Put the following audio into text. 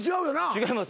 違います